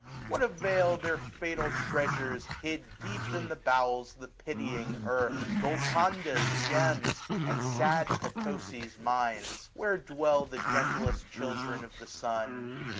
what avail their fatal treasures, hid Deep in the bowels of the pitying earth, 870 Golconda's gems, and sad Potosi's mines ; Where dwelt the gentlest children of the sun